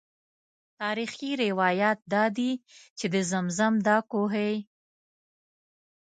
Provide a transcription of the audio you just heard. تاریخي روایات دادي چې د زمزم دا کوهی.